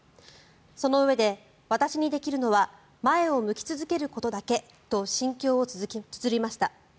そのうえで、私にできるのは前を向き続けることだけと心境をつづりました。